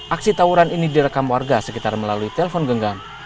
aksi tawuran ini direkam warga sekitar melalui telepon genggam